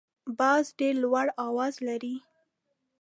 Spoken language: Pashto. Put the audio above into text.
باز ډیر لوړ اواز لري